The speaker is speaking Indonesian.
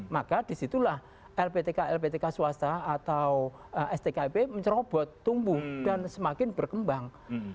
maka disitulah lptk lptk swasta atau stkib mencerobot tumbuh dan semakin berkembang